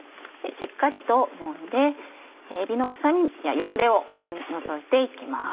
しっかりともんでえびの臭みや汚れを取り除いて行きます。